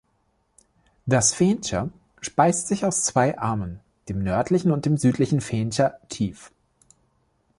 Das Fehntjer speist sich aus zwei Armen, dem Nördlichen und dem Südlichen Fehntjer Tief.